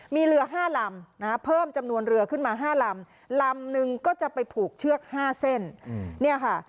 มีเรือ๕ลำนะฮะเพิ่มจำนวนเรือขึ้นมา๕ลำลำนึงก็จะไปผูกเชือก๕เส้นเนี่ยค่ะ